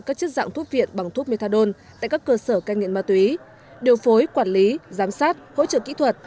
các chất dạng thuốc viện bằng thuốc methadone tại các cơ sở cai nghiện ma túy điều phối quản lý giám sát hỗ trợ kỹ thuật